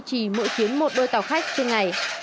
duy trì mỗi tuyến một đôi tàu khách trên ngày